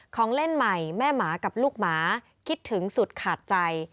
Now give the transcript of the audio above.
ของเล่นใหม่แม่หมากับลูกหมาคิดถึงสุดขาดใจ